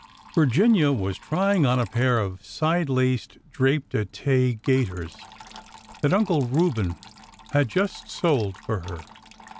Virginia was trying on a pair of side laced drap d'ete gaiters that Uncle Reuben had just soled for her.